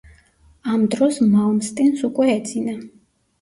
ამ დროს მალმსტინს უკვე ეძინა.